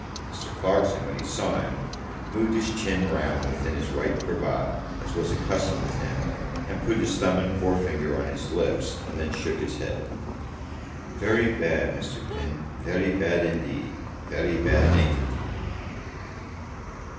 Mr. Clarkson, when he saw him, moved his chin round within his white cravat, as was a custom with him, and put his thumb and forefinger on his lips, and then shook his head. "Very bad, Mr. Finn; very bad indeed; very bad, ain't it?"